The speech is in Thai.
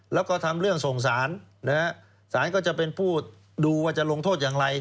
แล้วก็ทำเรื่องส่งสารนะฮะสารก็จะเป็นผู้ดูว่าจะลงโทษอย่างไร